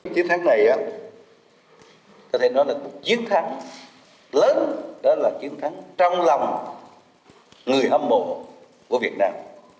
chiến thắng này có thể nói là một chiến thắng lớn đó là chiến thắng trong lòng người hâm mộ của việt nam